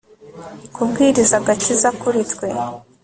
kubwiriza agakiza kuri twe